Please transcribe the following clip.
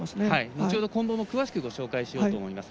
後ほどこん棒も詳しく紹介します。